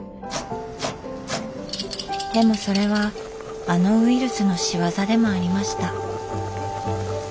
でもそれはあのウイルスの仕業でもありました。